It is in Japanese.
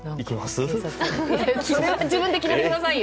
自分で決めてくださいよ？